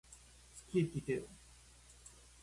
好きって言ってよ